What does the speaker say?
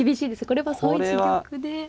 これは３一玉で。